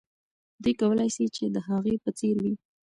دوی کولای سي چې د هغې په څېر وي.